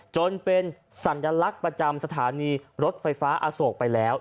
จนเป็นสัญลักษณ์ประจำสถานีรถไฟฟ้าอโศกไปแล้ว